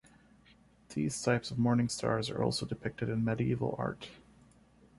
These types of morning stars are also depicted in medieval art.